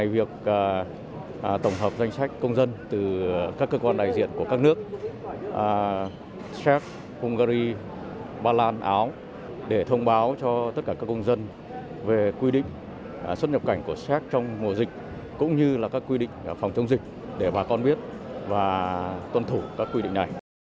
việc tổng hợp danh sách công dân từ các cơ quan đại diện của các nước sép hungary ba lan áo để thông báo cho tất cả các công dân về quy định xuất nhập cảnh của sép trong mùa dịch cũng như là các quy định phòng chống dịch để bà con biết và tuân thủ các quy định này